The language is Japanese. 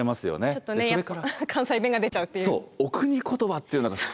ちょっとね関西弁が出ちゃうっていう。